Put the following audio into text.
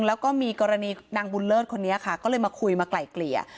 แล้วก็มีกรณีนางบุญเลิศคนนี้ค่ะก็เลยมาคุยมาไกล่เกลี่ย